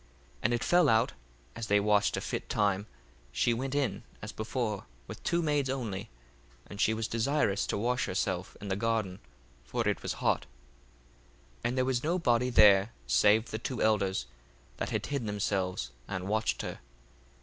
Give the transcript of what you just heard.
1:15 And it fell out, as they watched a fit time, she went in as before with two maids only, and she was desirous to wash herself in the garden: for it was hot. 1:16 And there was no body there save the two elders, that had hid themselves, and watched her.